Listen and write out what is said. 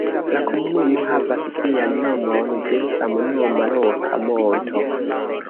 La komunumo havas sian nomon de samnoma loka monto.